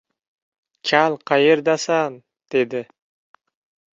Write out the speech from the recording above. — Kal, qayerdasan? — dedi.